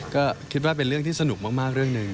ก็คิดว่าเป็นเรื่องที่สนุกมากเรื่องหนึ่ง